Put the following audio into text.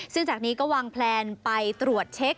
ซึ่งจากนี้ก็วางแพลนไปตรวจเช็ค